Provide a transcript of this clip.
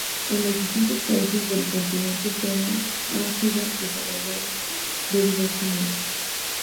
En los distintos países del continente se ha ido desarrollando de diverso modo.